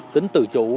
tính tự chủ